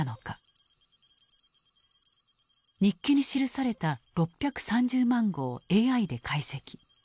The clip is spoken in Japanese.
日記に記された６３０万語をＡＩで解析。